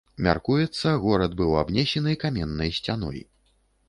Мяркуецца, горад быў абнесены каменнай сцяной.